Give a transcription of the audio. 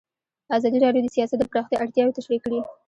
ازادي راډیو د سیاست د پراختیا اړتیاوې تشریح کړي.